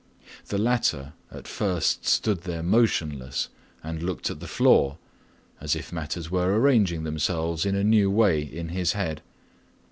The latter at first stood there motionless and looked at the floor, as if matters were arranging themselves in a new way in his head.